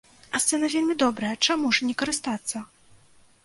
А сцэна вельмі добрая, чаму ж не карыстацца?!